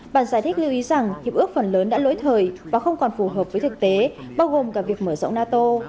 bàn giải thích lưu ý rằng hiệp ước phần lớn đã lỗi thời và không còn phù hợp với thực tế bao gồm cả việc mở rộng nato